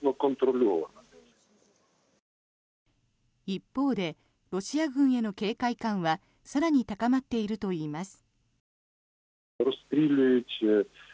一方で、ロシア軍への警戒感は更に高まっているといいます。